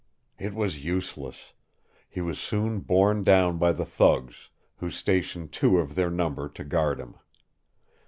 It was useless. He was soon borne down by the thugs, who stationed two of their number to guard him.